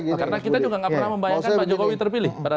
nggak pernah membayangkan pak jokowi terpilih pada